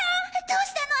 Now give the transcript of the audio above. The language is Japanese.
どうしたの？